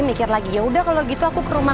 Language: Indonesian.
mikir lagi yaudah kalau gitu aku ke rumah